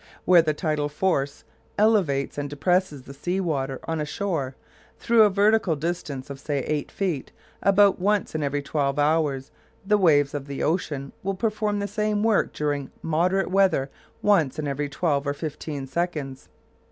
Where the tidal force elevates and depresses the sea water on a shore, through a vertical distance of say eight feet, about once in twelve hours, the waves of the ocean will perform the same work during moderate weather once in every twelve or fifteen seconds.